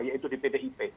yaitu di pdip